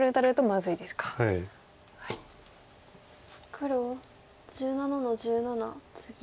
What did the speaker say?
黒１７の十七ツギ。